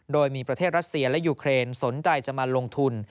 โดยมีประเทศรัสเซียและยูเครนสนใจจะมาลงทุน